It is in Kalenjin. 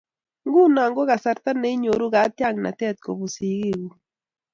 Nguno ko kasarta neinyoru katiaknatet kobun sikik kuk